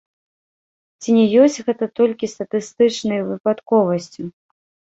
Ці не ёсць гэта толькі статыстычнай выпадковасцю?